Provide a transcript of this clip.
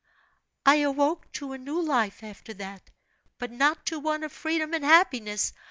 "I awoke to a new life, after that; but not to one of freedom and happiness.